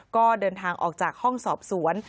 ก็เดินทางออกจากห้องสอบสวน